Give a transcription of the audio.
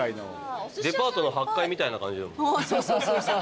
デパートの８階みたいな感じだもん。